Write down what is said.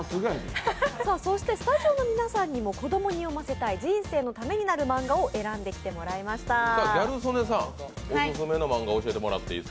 そしてスタジオの皆さんにも「子どもに読ませたい人生のためになるマンガ」を選んできてもらいました。